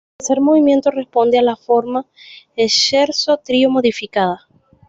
El tercer movimiento responde a la forma "Scherzo-Trío", modificada.